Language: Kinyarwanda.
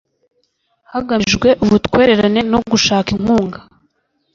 hagamijwe ubutwererane no gushaka inkunga